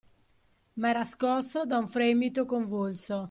Ma era scosso da un fremito convulso.